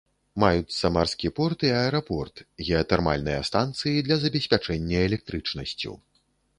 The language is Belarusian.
Маюцца марскі порт і аэрапорт, геатэрмальныя станцыі для забеспячэння электрычнасцю.